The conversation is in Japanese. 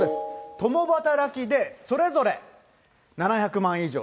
共働きで、それぞれ７００万円以上。